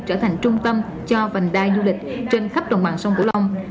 trở thành trung tâm cho vành đai du lịch trên khắp đồng bằng sông cửu long